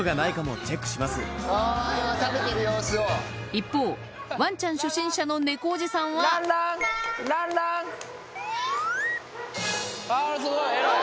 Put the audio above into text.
一方ワンちゃん初心者の猫おじさんはあぁすごい偉い。